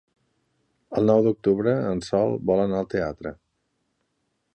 El nou d'octubre en Sol vol anar al teatre.